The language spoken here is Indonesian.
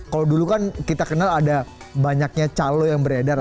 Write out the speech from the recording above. kalau dulu kan kita kenal ada banyaknya calo yang beredar